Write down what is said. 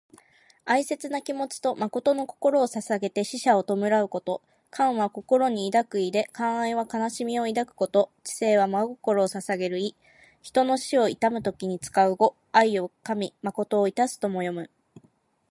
哀切な気持ちと誠の心をささげて死者を弔うこと。「銜」は心に抱く意で、「銜哀」は哀しみを抱くこと、「致誠」は真心をささげる意。人の死を悼む時に用いる語。「哀を銜み誠を致す」とも読む。